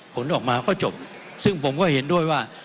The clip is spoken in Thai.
ผลออกมาก็จบซึ่งผมก็เห็นด้วยว่า